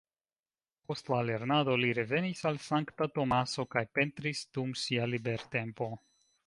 Post la lernado li revenis al Sankta Tomaso kaj pentris dum sia libertempo.